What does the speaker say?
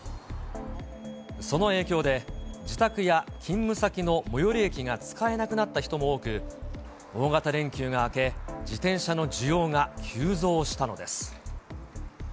その影響で、自宅や勤務先の最寄り駅が使えなくなった人も多く、大型連休が明け、自転車の需要が急増したのです。